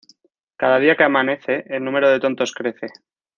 Cada día que amanece, el número de tontos crece